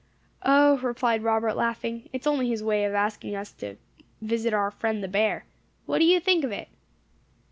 "O," replied Robert, laughing, "it is only his way of asking us to visit our friend the bear. What do you think of it?"